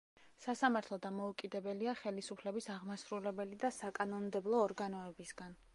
სასამართლო დამოუკიდებელია ხელისუფლების აღმასრულებელი და საკანონმდებლო ორგანოებისაგან.